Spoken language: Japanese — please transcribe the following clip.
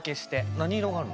何色があるの？